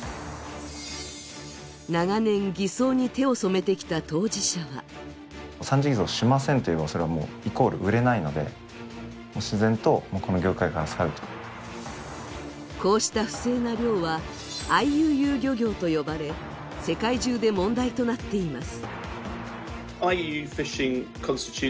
長年、儀装に手を染めてきた当事者はこうした不正な漁はＩＵＵ漁業と呼ばれ、世界中で問題となっています。